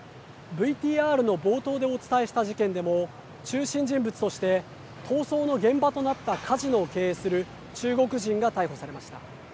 ＶＴＲの冒頭でお伝えした事件でも中心人物として逃走の現場となったカジノを経営する中国人が逮捕されました。